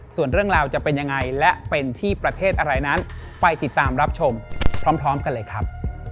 ส่วนเรื่องราวจะเป็นยังไงและเป็นที่ประเทศอะไรนั้นไปติดตามรับชมพร้อมกันเลยครับ